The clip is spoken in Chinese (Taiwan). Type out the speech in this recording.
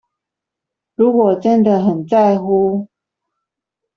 如果真的很在乎